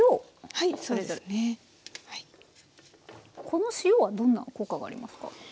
この塩はどんな効果がありますか？